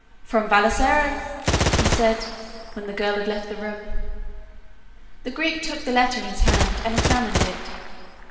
"From Vassalaro," he said, when the girl had left the room. The Greek took the letter in his hand and examined it.